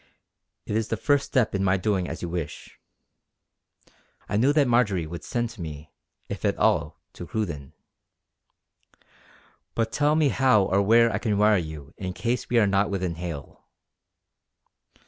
"It is the first step in my doing as you wish." I knew that Marjory would send to me, if at all, to Cruden. "But tell me how or where I can wire you in case we are not within hail."